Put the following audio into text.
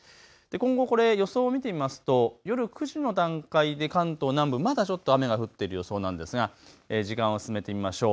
今後、予想を見てみますと夜９時の段階で関東南部まだちょっと雨が降っている予想なんですが、時間を進めてみましょう。